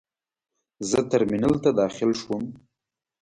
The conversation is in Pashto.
زه ترمینل ته داخل شوم.